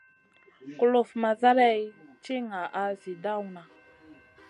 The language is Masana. Kulufn ma zaleyn ti ŋaʼa zi dawna.